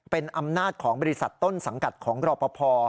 เป็นอำนาจของบริษัทต้นสังกัดของรอปภ